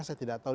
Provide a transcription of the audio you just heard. saya tidak tahu